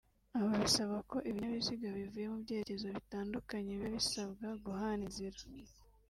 aho bisaba ko ibinyabiziga bivuye mu byerekezo bitandukanye biba bisabwa guhana inzira